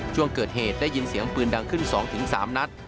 ช่วงเกิดเหตุได้ยินเสียงปืนดังขึ้น๒๓นัด